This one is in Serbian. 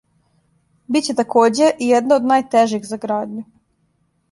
Биће такође и једна од најтежих за градњу.